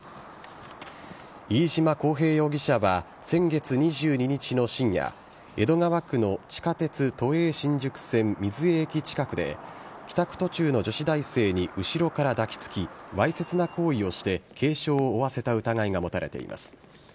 飯島康平容疑者は、先月２２日の深夜、江戸川区の地下鉄都営新宿線瑞江駅近くで、帰宅途中の女子大生に後ろから抱きつき、わいせつな行為をして、軽傷を負わせた疑いが持たれています。